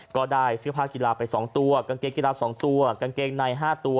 ก็ได้เสื้อผ้ากีฬาไป๒ตัวกางเกงกีฬา๒ตัวกางเกงใน๕ตัว